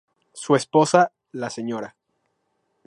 Su esposa, la Sra.